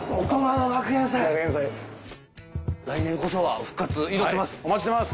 来年こそは復活祈ってます！